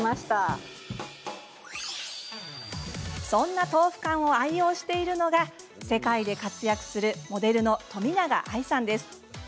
そんな豆腐干を愛用しているのが世界で活躍するモデルの冨永愛さんです。